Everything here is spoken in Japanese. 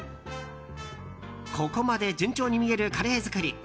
ここまで順調に見えるカレー作り。